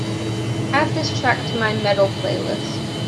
Add this track to my Metal playlist